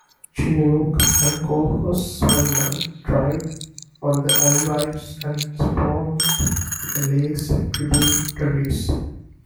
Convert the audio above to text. Chinook and Coho salmon thrived on the alewives and spawned in the lakes' tributaries.